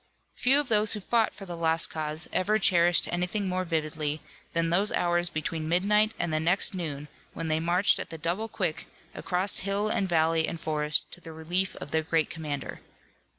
Few of those who fought for the Lost Cause ever cherished anything more vividly than those hours between midnight and the next noon when they marched at the double quick across hill and valley and forest to the relief of their great commander.